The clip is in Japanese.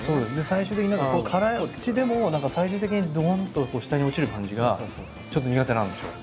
最終的に何か辛口でも何か最終的にドンと下に落ちる感じがちょっと苦手なんですよ。